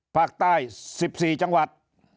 ภาคใต้สิบสี่จังหวัด